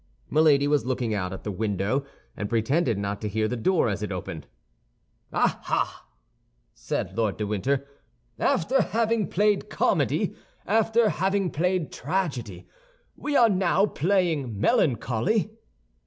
Milady was looking out at the window, and pretended not to hear the door as it opened. "Ah, ah!" said Lord de Winter, "after having played comedy, after having played tragedy, we are now playing melancholy?"